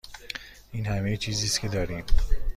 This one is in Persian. این همه چیزی است که داریم.